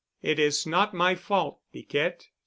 "It is not my fault, Piquette.